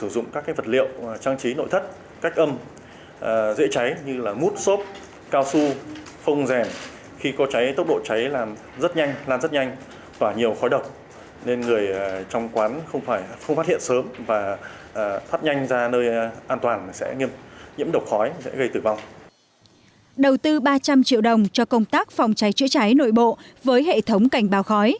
đầu tư ba trăm linh triệu đồng cho công tác phòng cháy chữa cháy nội bộ với hệ thống cảnh báo khói